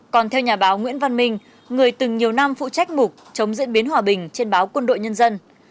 còn theo nhà báo nguyễn văn minh người từng nhiều năm phụ trách mục chống diễn biến hòa bình trên báo quân đội nhân dân